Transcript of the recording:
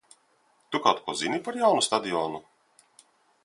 Tu kaut ko zini par jaunu stadionu?